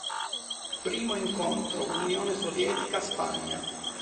Primo incontro: Unione Sovietica-Spagna.